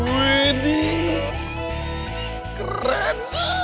wih ini keren